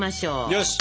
よし！